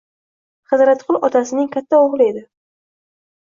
Hazratqul otasining katta oʻgʻli edi.